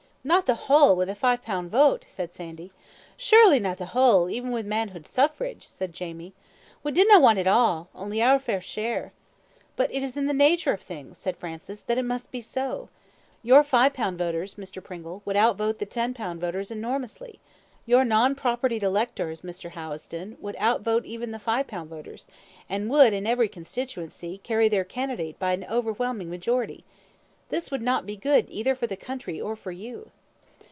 "Not the whole with a five pound vote," said Sandy. "Surely, not the whole, even wi' manhood suffrage," said Jamie. "We dinna want it all, only oor fair share." "But it is in the nature of things," said Francis, "that it must be so. Your five pound voters, Mr. Pringle, would outvote the ten pound voters enormously. Your non propertied electors, Mr. Howison, would out vote even the five pound voters, and would, in every constituency, carry their candidate by an overwhelming majority. This would not be good either for the country or for you."